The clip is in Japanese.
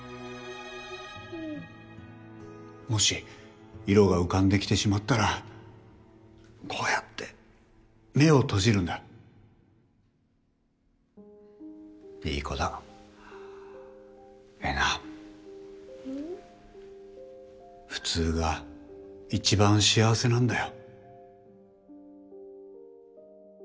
うんもし色が浮かんできてしまったらこうやって目を閉じるんだいい子だえな普通が一番幸せなんだよ